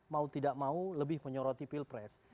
mau tidak mau lebih menyoroti pilpres